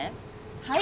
はい！